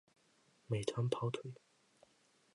美团跑腿